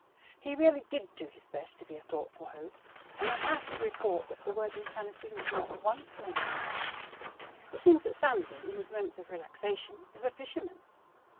He really did do his best to be a thoughtful host and I have to report that the word "insanity" was not once mentioned. It seems that Sandy, in his moments of relaxation, is a fisherman.